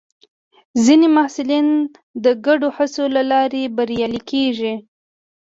ځینې محصلین د ګډو هڅو له لارې بریالي کېږي.